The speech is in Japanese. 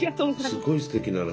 そうすごいすてきな話。